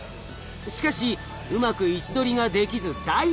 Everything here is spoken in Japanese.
しかしうまく位置取りができず大苦戦。